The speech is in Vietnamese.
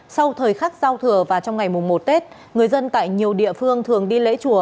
sau thời khắc giao thừa và trong ngày mùng một tết người dân tại nhiều địa phương thường đi lễ chùa